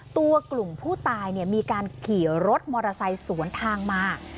ตัวกลุ่มผู้ตายมีการขี่รถมอเตอร์ไซค์สวนทางมา